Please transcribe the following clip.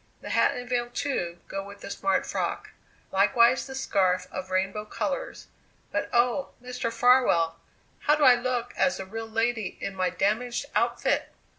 The hat and veil, too, go with the smart frock; likewise the scarf of rainbow colours. But, oh! Mr. Farwell, how do I look as a real lady in my damaged outfit?"